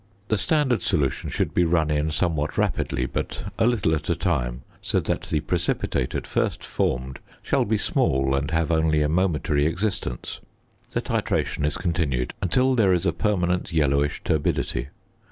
The standard solution should be run in somewhat rapidly, but a little at a time, so that the precipitate at first formed shall be small and have only a momentary existence. The titration is continued until there is a permanent yellowish turbidity.